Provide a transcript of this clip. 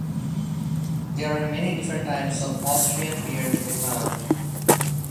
There are many different types of Austrian beer to be found.